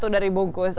dua satu dari bungkus